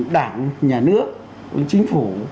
đảng nhà nước chính phủ